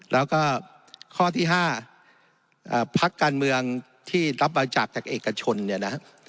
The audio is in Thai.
แล้วก็ข้อที่๕พักการเมืองที่รับบริจาคจากเอกชนเนี่ยนะฮะ